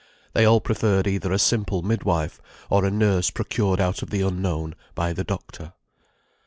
They all preferred either a simple mid wife, or a nurse procured out of the unknown by the doctor.